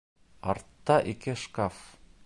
Артта ике шкаф.